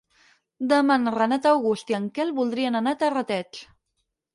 Demà en Renat August i en Quel voldrien anar a Terrateig.